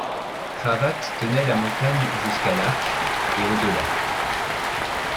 Cravatte tenait la montagne jusqu’à l’Arche, et au-delà.